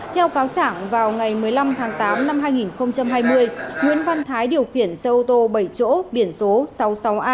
theo cáo chẳng vào ngày một mươi năm tháng tám năm hai nghìn hai mươi nguyễn văn thái điều khiển xe ô tô bảy chỗ biển số sáu mươi sáu a